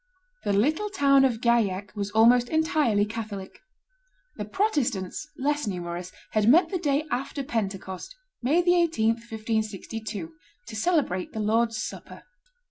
The little town of Gaillac was almost entirely Catholic; the Protestants, less numerous, had met the day after Pentecost, May 18, 1562, to celebrate the Lord's Supper.